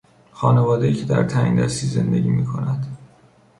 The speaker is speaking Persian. خانوادهای که در تنگدستی زندگی میکند